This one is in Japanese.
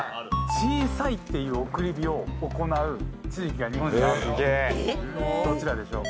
「小」っていう迎え火を行う地域が日本にあるんですけどどちらでしょう？